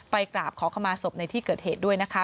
กราบขอขมาศพในที่เกิดเหตุด้วยนะคะ